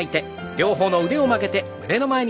両方の腕を曲げて胸の前に。